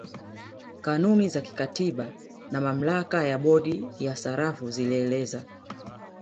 Kanuni za kikatiba na mamlaka ya bodi ya sarafu zilieleza